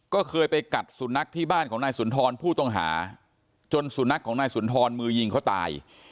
ก็เคยไปกัดสุนัขที่บ้านของนายสุนทรผู้ต้องหาจนสุนัขของนายสุนทรมือยิงเขาตาย